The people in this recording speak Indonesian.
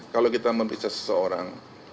kalau kita memperiksa seseorang